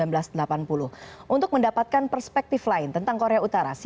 dan mencoba untuk menggabungkan tanggapan dia pada kekuatan